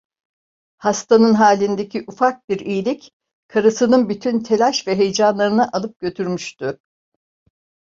Hastanın halindeki ufak bir iyilik karısının bütün telaş ve heyecanlarını alıp götürmüştü.